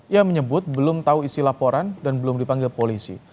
ia menyebut belum tahu isi laporan dan belum dipanggil polisi